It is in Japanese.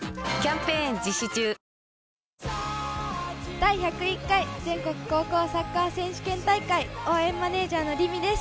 第１０１回、全国高校サッカー選手権大会、応援マネージャーの凛美です。